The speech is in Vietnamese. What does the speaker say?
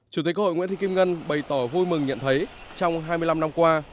chủ tịch quốc hội nguyễn thị kim ngân bày tỏ vui mừng nhận thấy trong hai mươi năm năm qua